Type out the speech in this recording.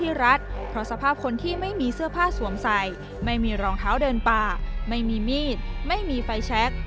รัฐเพราะสภาพคนที่ไม่มีเสื้อผ้าสวมใส่ไม่มีรองเท้าเดินป่าไม่มีมีดไม่มีไฟแชค